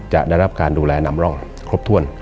จะได้รับการดูแลนำร่องครบถ้วน